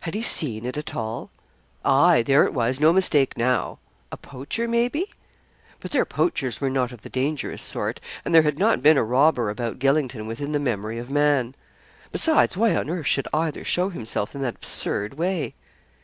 Had he seen it at all? Aye! there it was, no mistake now. A poacher, maybe? But their poachers were not of the dangerous sort, and there had not been a robber about Gylingden within the memory of man. Besides, why on earth should either show himself in that absurd way?